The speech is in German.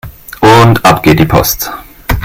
Und ab geht die Post